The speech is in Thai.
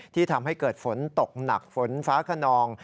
ที่ทำให้เกิดฝนตกหนักฝนฟ้าขนอง